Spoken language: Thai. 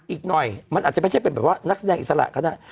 อีกหน่อยมันอาจจะเป็นนักแสดงอิสระ